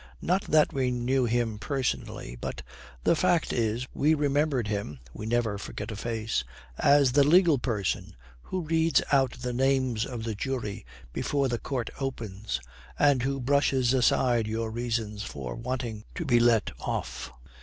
Not that we knew him personally, but the fact is, we remembered him (we never forget a face) as the legal person who reads out the names of the jury before the court opens, and who brushes aside your reasons for wanting to be let off.